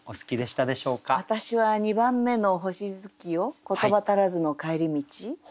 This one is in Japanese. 私は２番目の「星月夜言葉足らずの帰り道」。